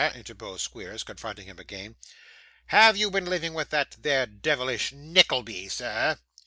interposed Squeers, confronting him again. 'Have you been a living with that there devilish Nickleby, sir?